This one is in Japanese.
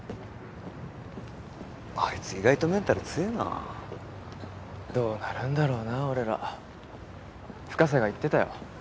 あいつ意外とメンタル強えなどうなるんだろうな俺ら深瀬が言ってたよ